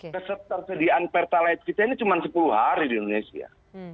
ketersediaan pertalite kita ini cuma sepuluh hari di indonesia